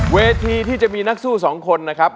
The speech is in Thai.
เวทีที่จะมีนักสู้สองคนนะครับ